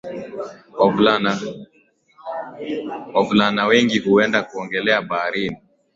wavulana wengi huenda kuogelea baharini